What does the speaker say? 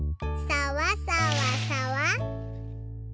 さわさわさわ。